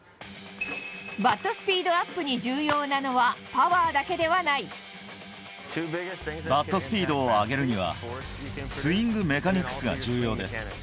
バットスピードアップに重要バットスピードを上げるには、スイングメカニクスが重要です。